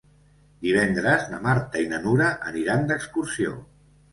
Divendres na Marta i na Nura aniran d'excursió.